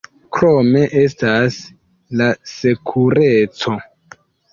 Krome estas la sekureco.